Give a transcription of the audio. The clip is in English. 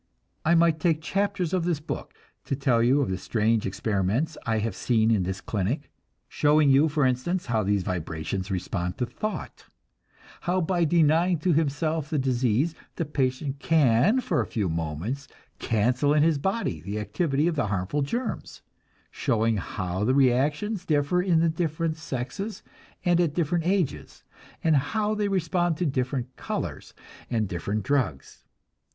I might take chapters of this book to tell you of the strange experiments I have seen in this clinic showing you, for instance, how these vibrations respond to thought, how by denying to himself the disease the patient can for a few moments cancel in his body the activity of the harmful germs; showing how the reactions differ in the different sexes and at different ages, and how they respond to different colors and different drugs.